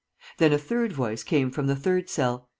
Then a third voice came from the third cell.